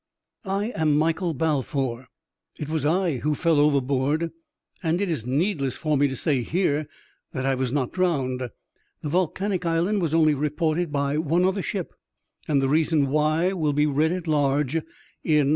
I am Michael Balfour ; I it was who fell overboard ; and it is needless for me to say here that I was Tiot drowned. The volcanic island was only reported by one other ship, and the reason why will be read at large in 22 EXTBAOBDINABY ADVENTUBE OF A CHIEF MATE.